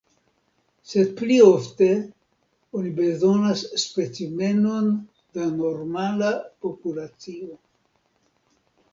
Sed pli ofte oni bezonas specimenon da normala populacio.